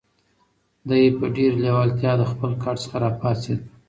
دی په ډېرې لېوالتیا له خپل کټ څخه را پاڅېد.